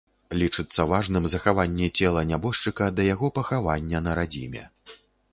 Лічыцца важным захаванне цела нябожчыка да яго пахавання на радзіме.